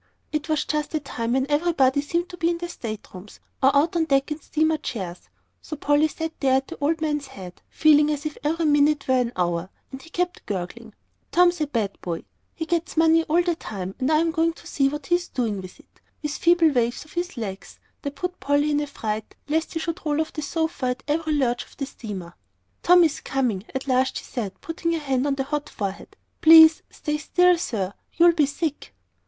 It was just the time when everybody seemed to be in the state rooms, or out on deck in steamer chairs, so Polly sat there at the old man's head, feeling as if every minute were an hour, and he kept gurgling, "Tom's a bad boy he gets money all the time, and I'm going to see what he's doing with it," with feeble waves of his legs, that put Polly in a fright lest he should roll off the sofa at every lurch of the steamer. "Tom is coming," at last she said, putting her hand on the hot forehead. "Please stay still, sir; you will be sick."